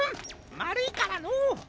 まるいからのう。